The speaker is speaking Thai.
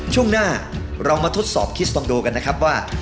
ช่วงหน้าเรามาทดสอบคิสตองโดกันนะครับว่า